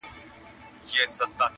• د سرتورو انګولا ده د بګړیو جنازې دي -